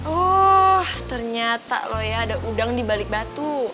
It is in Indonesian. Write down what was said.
oh ternyata loh ya ada udang di balik batu